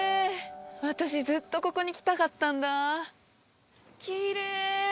私ずっとここに来たかったんだキレイ！